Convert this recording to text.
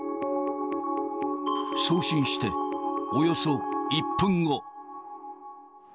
送信しておよそ１分後。